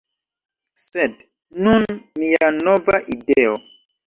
Sed, nun mia nova ideo